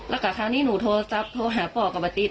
แล้วก็คราวนี้หนูโทรศัพท์โทรหาพ่อกับป้าติ๊บ